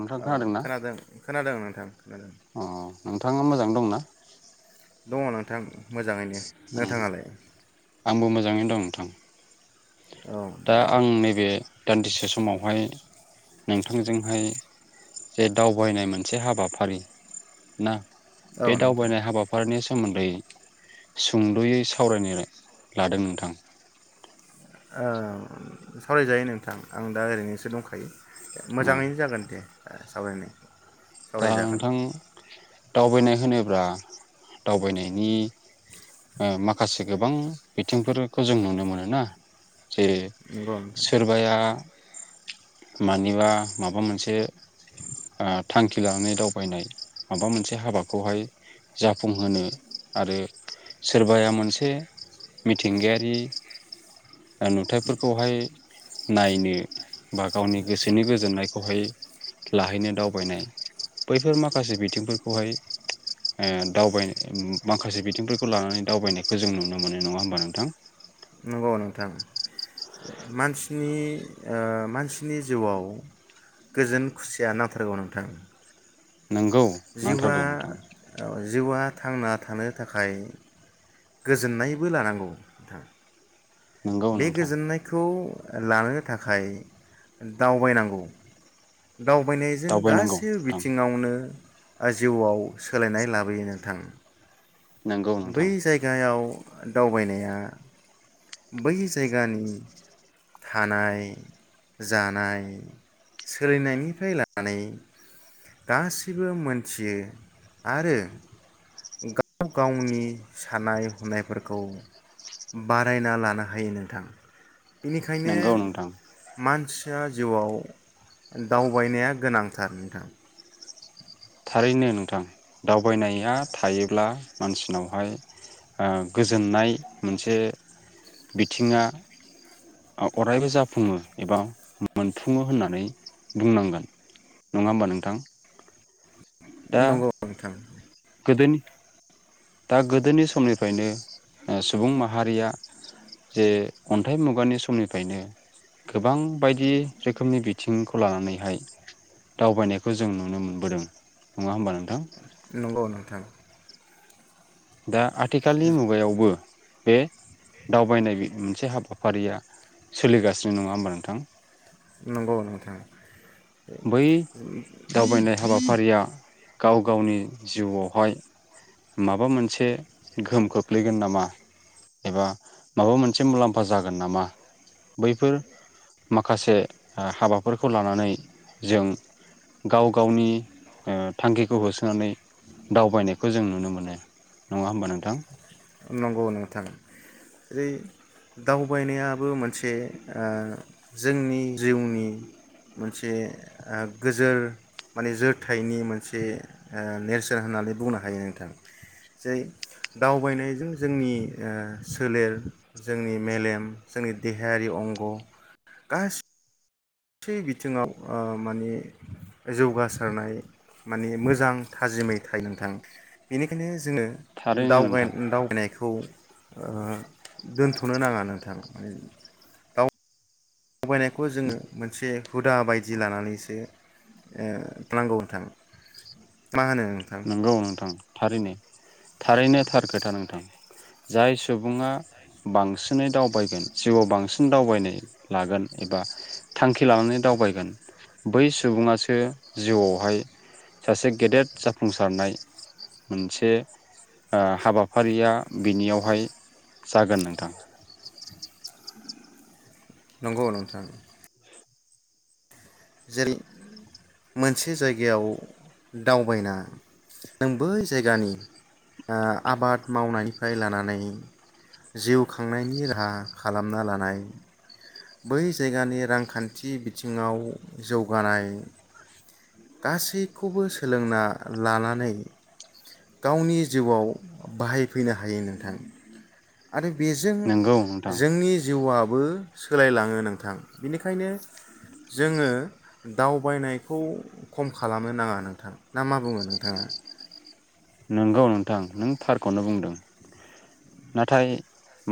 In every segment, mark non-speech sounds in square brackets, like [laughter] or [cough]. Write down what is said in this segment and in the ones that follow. नोंथां औ खोनादोंना खोनादों खोनादों नोंथां खोनादों अ [unintelligible] नोंथाङा मोजांयै दंना? दङ नोंथां। मोजाङैनो उम नोंथाङालाय? आंबो मोजाङैनो दं नोंथां। औ दा आं नैबे दान्दिसे समावहाय नोंथांजोंहाय जे दावबायनाय मोनसे हाबाफारि ना औ बे नोंथां दावबायनाय हाबाफारिनि सोमो दै सुंद'यै सावरायनो लादों नोंथां ओ सावरायजायो नोंथां आं दा ओरैनोसो दंखायो उम मोजाङैनो जागोन दे ओ सावरायनो दा नोंथां दावबायनाय होनोब्ला दावबायनायनि ओ माखासे गोबां बिथिंफोरखौ जों नुनो मोनो ना जे नंगौ नोंथां सोरबाया मानिबा माबा मोनसे थांखि लानानै दावबायनाय माबा मोनसे हाबाखौहाय जाफुंहोनो आरो सोरबाया मोनसे मिथिंगायारि नुथायाइफोरखौहाय नायनो बा गावनि गोसोनि गोजोननायखौहाय लाहैनो दावबायनाय बैफोर माखासे बिथिंफोरखौहाय ओ दावबायनाय माखासे बिथिंफोरखौ लानानै दावबायनायखौ जों नुनो मोननाय नङा होमबा नोंथां? नंगौ नोंथां मानसिनि ओ मानसिनि जिउआव गोजोन खुसिया नांथारगौ नोंथां नोंगौ जिउआ नांथारगौ नोंथां जिउआ थांना थानो थाखाय गोजोननायबो लानांगौ नोथां नोंगौ बे नोंथां गोजोननायखौ लानो थाखाय दावबायनांगौ दावबायनायजों दावबायनांगौ गासैबो नोंथां बिथिङावनो ओ जिउआव सोलायनाय लाबोयो नोंथां नोंगौ बै नोंथां जायगायाव दावबायनाया बै जायगानि थानाय जानाय सोलिनायनिफ्राय लानानै गासिबो मोनथियो आरो गाव गावनि साननाय हनायफोरखौ बारायना लानो हायो नोंथां बेनिखायनो नोंगौ नोंथां मानसि जा जिउआव दावबायनाया गोनांथार नोंथां थारैनो नोंथां दावबायनाया थायोब्ला मानसिनावहाय ओ गोजोननाय मोनसे बिथिङा अरायबो जाफुङो एबा मोनफुङो होननानै बुंनांगोन नङा होमबा नोंथां? दा नंगौ नोथां गोदोनि दा गोदोनि समनिफ्रायनो ओ सुबुं माहारिया जे अन्थाइ मुगानि समनिफ्रायनो गोबां बायदि रोखोमनि बिथिंखौ लानानैहाय दावबायनायखौ जों नुनो मोनबोदों नङा होमबा नोंथां? नंगौ नोंथां दा आथिखालनि मुगायावबो बे दावबायनाय मोनसे हाबाफारिया सोलिगासिनो नङा होमबा नोंथां नंगौ नोंथां बै दावबायनाय हाबाफारिया गाव गावनि जिउआवहाय माबा मोनसे गोहोम खोख्लैगोन नामा एबा माबा मोनसे मुलाम्फा जागोन नामा बैफोर माखासे हाबाफोरखौ लानानै जों गाव गावनि ओ थांखिखौ होसोनानै दावबायनायखौ जों नुनो मोनो नङा होमबा नोंथां नंगौ नोंथां जै दावबायनायाबो मोनसे ओ जोंनि जिउनि मोनसे गोजोर माने जोरथायनि मोनसे ओ नेरसोन होननानै बुंनो हायो नोंथां जै दावबायनाय जों जोंनि ओ सोलेर जोंनि मेलेम जोंनि देहायारि अंग गासि थि बिथिङाव ओ माने जौगासारनाय माने मोजां थाजिमै थाइ नोंथां बेनिखायनो जोङो थारैनो दावगाय नोंथां दावबायनायखौ ओ दोनथ'नो नाङा नोंथां दावबायनायखौ जोङो मोनसे हुदा बायदि लानानैसो ओ नांगौ नोंथां मा होनो नोंथां नंगौ नोंथां थारैनो थारैनो थार खोथा नोंथां जाय सुबुङा बांसिनै दावबायगोन जिउआव बांसिन दावबायनाय लागोन एबा थांखि लानानै दावबायगोन बै सुबुङासो जिउआवहाय सासे गेदेर जा फुंसारनाय मोनसे ओ हाबाफारिया बिनियावहाय जागोन नोंथां। नंगौ नोंथां जेरै मोनसे जायगायाव दावबायना नों बै जायगानि ओ आबाद मावनायनिफ्राय लानानै जिउ खांनायनि राहा खालामना लानाय बै जायगानि रांखान्थि बिथिङाव जौगानाय गासैखौबो सोलोंना लानानै गावनि जिउआव बाहायफैनो हायो नोंथां आरो बेजों नोंगौ नोंथां जोंनि जिवा बो सोलायलाङो नोंथां बिनिखायनो जोङो दावबायनायखौ खम खालामनो नाङा नोंथां ना मा बुङो नोंथाङा? नंगौ नोंथां नों थारखौनो बुंदों नाथाय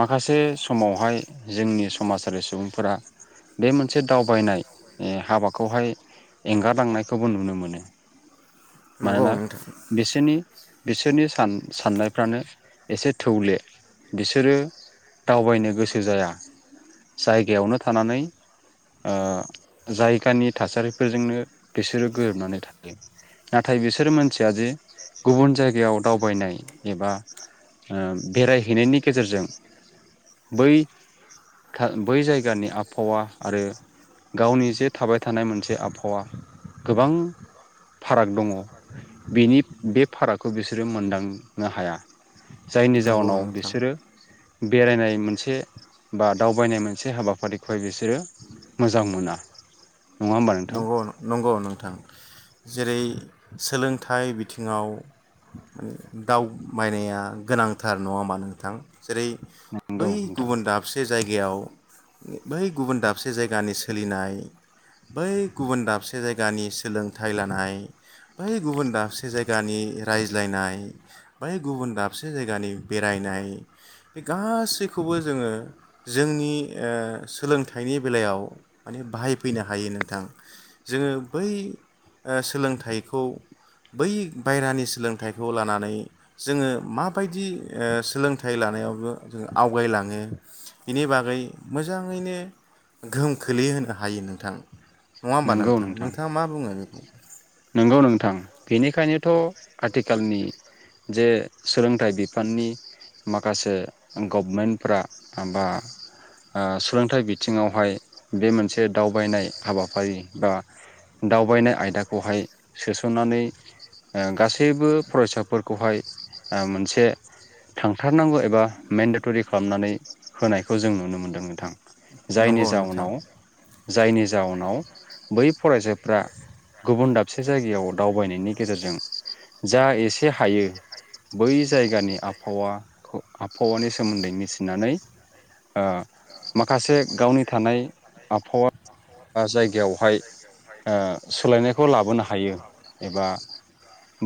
माखासे समावहाय जोंनि समाजारि सुबुंफोरा बे मोनसे दावबायनाय हाबाखौहाय एंगारलांनायखौबो नुनो मोनो। नंगौ मानोना नोंथां बेसेनि बिसोरनि सान साननायफ्रानो एसे थौले बिसोरो दावबायनो गोसो जाया जायगायावनो थानानै ओ जायगानि थासारिफोरजोंनो बिसोरो गोरोबनानै थायो। नाथाय बिसोर मानसिया जे गुबुन जायगायाव दावबायनाय एबा ओ बेरायहैनायनि गेजेरजों बै था बै जायगानि आबहावा आरो गावनि जे थाबाय थानाय मोनसे आबहावा गोबां फाराग दङ' बेनि बे फारागखौ बिसोरो मोनदांनो हाया। जायनि नंगौ जाहोनाव नोंथां बिसोरो बेरायनाय मोनसे बा दावबायनाय मोनसे हाबाफारिखौहाय बिसोरो मोजां मोना। नङा होमबा नोंथां नंगौ नंगौ नोंथां जेरै सोलोंथाइ बिथिङाव दावबायनाया गोनांथार नङा होमबा नोंथां जेरै नंगौ बै नोंथां गुबुन दाबसे जायगायाव बै गुबुन दाबसे जायगानि सोलिनाय बै गुबुन दाबसे जायगानि सोलोंथाइ लानाय, बै गुबुन दाबसे जायगानि रायज्लायनाय, बै गुबुन दाबसे जायगानि बेरायनाय बे गासैखौबो जोङो जोंनि ओ सोलोंथाइनि बेलायाव माने बाहायफैनो हायो नोंथां। जोङो बै ओ सोलोंथाइखौ बै बायहेरानि सोलोंथाइखौ लानानै जोङो माबायदि ओ सोलोंथाइ लानायावबो ओ आवगायलाङो बेनि बागै मोजाङैनो गोहोम खोलैहोनो हायो नोंथां। नङा होम्बा नोंथां। नोंथाङा मा बुङो बेखौ? नंगौ नोंथां बेनिखायनोथ' आथिखालनि जे सोलोंथाइ बिफाननि माखासे गभमेन्टफ्रा बा ओ सोलोंथाइ बिथिङावहाय बे मोनसे दावबायनाय हाबाफारि बा दावबायनाय आयदा खौहाय सोसननानै ओ गासैबो फरायसाफोरखौहाय ओ मोनसे थांथारनांगौ एबा मेन्डेटरि खालामनानै होनायखौ जों नुनो मोनदों नोंथां। जायनि नंगौ नोंथां। जाउनाव जायनि जाउनाव बै फरायसाफ्रा गुबुन दाबसे जायगायाव दावबायनायनि गेजेरजों जा एसे हायो बै जायगानि आबहावाखौ आबहावानि सोमोन्दै मिथिनानै ओ माखासे गावनि थानाय आबहावा जायगायावहाय आ सोलायनायखौ लाबोनो हायो एबा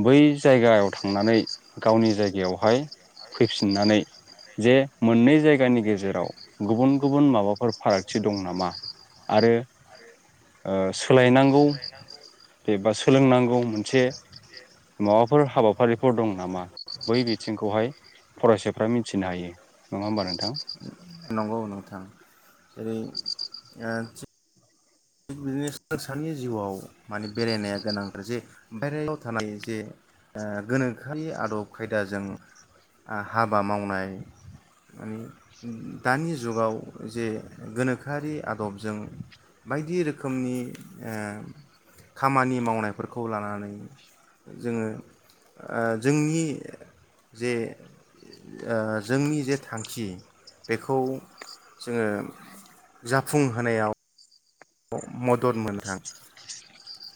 बै जायगायाव थांनानै गावनि जायगायावहाय फैफिननानै जे मोननै जायगानि गेजेराव गुबुन गुबुन माबाफोर फारागथि दं नामा आरो ओ सोलायनांगौ। एबा सोलोंनांगौ मोनसे माबाफोर हाबाफारिफोर दं नामा? बै बिथिंखौहाय फरायसाफ्रा मिथिनो हायो। नङा होमबा नोंथां? नंगौ नोंथां जेरै ओ बिदिनो [unintelligible] नि जिउआव माने बेरायनाया गोनांथार जे बेरायनायाव थानाय जे गोनोखोआरि आदब खायदाजों हाबा मावनाय माने दानि जुगाव जे गोनोखोआरि आदबजों बायदि रोखोमनि ओ खामानि मावनायफोरखौ लानानै जोङो ओ जोंनि जे जोंनि जे थांखि बेखौ जोङो जाफुंहोनायाव मदद मोनथों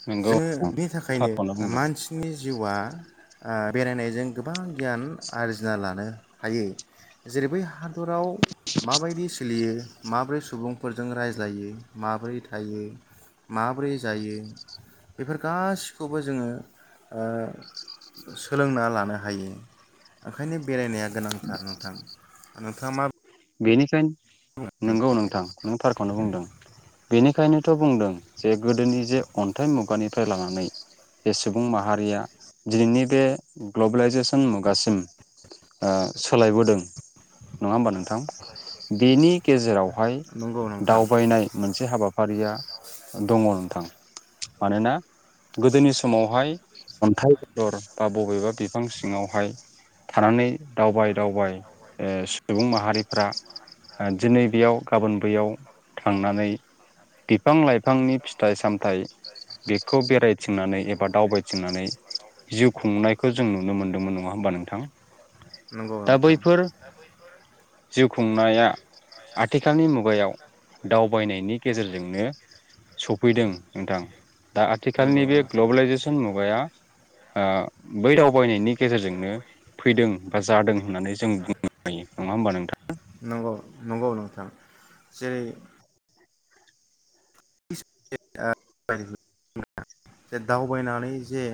नोंगौ जो [unintelligible] नि थाखायनो थारखौनो बुंदों मानसिनि जिउआ बेरायनायजों गोबां गियान आरजिना लानो हायो जेरै बै हादराव माबायदि सोलियो माबोरै सुबुंफोरजों रायज्लायो माबोरै थायो माबोरै जायो बेफोर गासिखौबो जोङो ओ सोलोंना लानो हायो ओंखायनो बेरायनाया गोनांथार नोंथां नोंथाङा मा बेनिखाय [unintelligible] नंगौ नोंथां नों थारखौनो बुंदों बेनिखायनोथ' बुंदों जे गोदोनि जे अन्थाइ मुगानिफ्राय लानानै जे सुबुं माहारिया दिनैनि बे ग्लबेलाइजेसन मुगासिम सोलायबोदों नङा होम्बा नोंथां बेनि गेजेरावहाय नंगौ नोंथां दावबायनाय मोनसे हाबा फारिया दङ नोंथां मानोना गोदोनि समावहाय अन्थाइ [unintelligible] दर बा बबेबा बिफां सिङावहाय थानानै दावबाय दावबाय सुबुं माहारि फ्रा दिनै बेयाव गाबोन बैयाव थांनानै बिफां लाइफांनि फिथाइ सामथाइ बेखौ बेरायथिंनानै एबा दावबायथिंनानै जिउ खुंनायखौ जों नुनो मोनदोंमोन नङा होमबा नोंथां नंगौ दा नोंथां बैफोर जिउ खुंनाया आथिखालनि मुगायाव दावबायनायनि गेजेरजोंनो सफैदों नोंथां दा नंगौ आथिखालनि बे नोंथां ग्लबेलाइजेसन मुगाया ओ बै दावबायनायनि गेजेरजोंनो फैदों बा जादों होननानै जों बुंनो हायो नङा होम्बा नोंथां नंगौ नंगौ नोंथां जेरै [unintelligible] जे दावबायनानै जे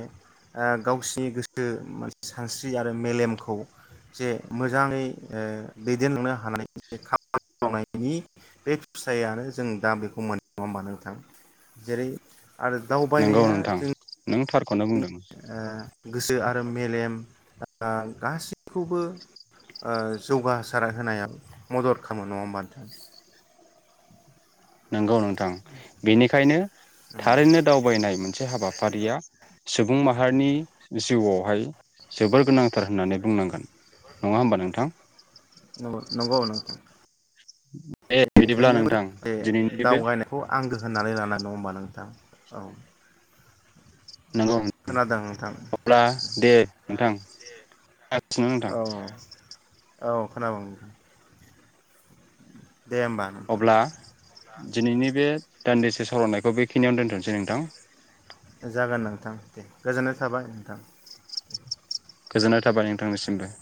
गावसिनि गोसो माने सानस्रि आरो मेलेमखौ जे मोजाङै ओ दैदेनलांनो हानायनि जे [unintelligible] खामानि मावनायनि बे फिथायानो जों दा बेखौ मोननाय नङा होम्बा नोंथां जेरै आरो नंगौ दावबायनाया नोंथां जों नों थार खौनो बुंदों ओ गोसो आरो मेलेम ओ गासैखौबो ओ जौगासार होनायाव मदद खालामो नङा होम्बा नोंथां नोंगौ नों थां बेनिखायनो थारैनो दावबायनाय मोनसे हाबाफारिया सुबुं माहारिनि जिउआवहाय जोबोर गोनांथार होननानै बुंनांगोन नङा होमबा नोंथां। नं- नंगौ नोंथां। दे बिदिब्ला बेनिखायनो नोंथां जे दिनैनि बे दावबानायखौ आंगो होननानै ला [unintelligible] नङा होनबा नों नोंथां औ। नंगौ नोंथां खोनादों नोंथां अब्ला दे नोंथां [unintelligible] नोंथां औ औ खोनागौ नोंथां। दे होमबा नोंथां। अब्ला दिनैनि बे दान्दिसे सरायनायखौ बेखिनियावनो दोन्थ'सै नोंथां। जागोन नोंथां दे गोजोननाय थाबाय नोंथां। गोजोननाय थाबाय नोंथांनिसिमबो। [unintelligible]